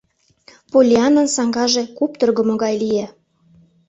Поллианнан саҥгаже куптыргымо гай лие.